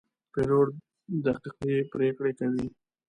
پیلوټ دقیقې پرېکړې کوي.